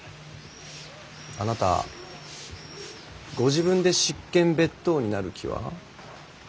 あなたご自分で執権別当になる気は？